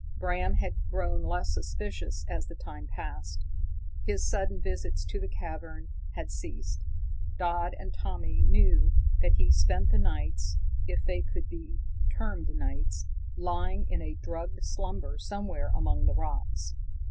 Bram had grown less suspicious as the time passed. His sudden visits to the cavern had ceased. Dodd and Tommy knew that he spent the nights if they could be termed nights lying in a drugged slumber somewhere among the rocks.